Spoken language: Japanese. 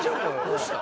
どうした？